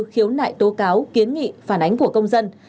khiếu nại tố cáo kiến nghị phản ánh của công dân